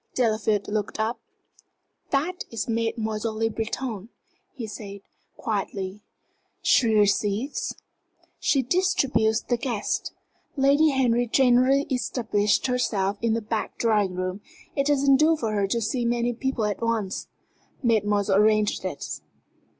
Delafield looked up. "That is Mademoiselle Le Breton," he said, quietly. "She receives?" "She distributes the guests. Lady Henry generally establishes herself in the back drawing room. It doesn't do for her to see too many people at once. Mademoiselle arranges it."